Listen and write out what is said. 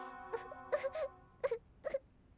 うっうっ。